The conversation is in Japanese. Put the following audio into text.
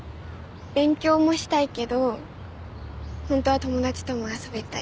勉強もしたいけど本当は友達とも遊びたい。